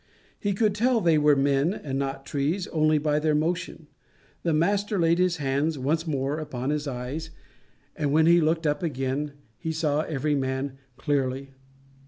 He could tell they were men and not trees, only by their motion. The Master laid his hands once more upon his eyes, and when he looked up again, he saw every man clearly.